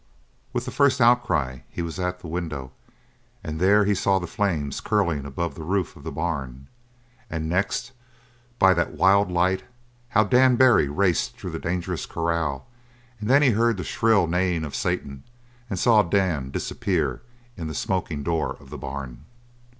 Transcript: With the first outcry he was at the window and there he saw the flames curling above the roof of the barn, and next, by that wild light, how Dan Barry raced through the dangerous corral, and then he heard the shrill neighing of Satan, and saw Dan disappear in the smoking door of the barn.